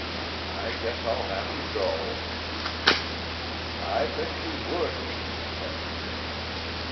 I guess I'll have to go " "I bet you would!" said Peter.